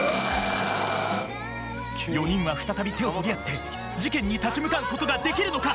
４人は再び手を取り合って事件に立ち向かうことができるのか。